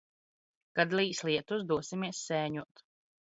Kad līs lietus, dosimies sēņot.